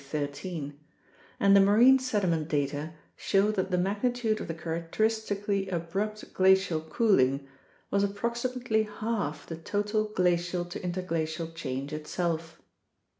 13), and the marine sediment data show that the magnitude of the characteristically abrupt glacial cooling was approximately half the total glacial to interglacial change itself.